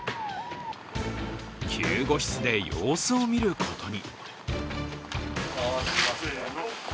救護室で様子を見ることに。